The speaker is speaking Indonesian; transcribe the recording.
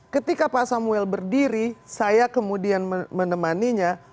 ketika pak samuel berdiri saya kemudian menemani nya